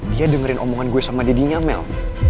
dia dengerin omongan gue sama dedinya mel